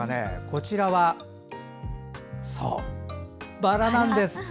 こちらはバラなんです。